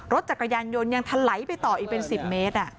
รถจักรยานยนต์ยังทะไหลไปต่ออีกเป็น๑๐เมตร